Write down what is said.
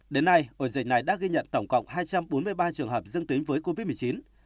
đến nay ổ dịch này đã ghi nhận tổng cộng hai trăm bốn mươi ba trường hợp dương tính với covid một mươi chín